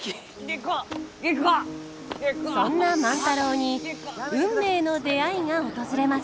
そんな万太郎に運命の出会いが訪れます。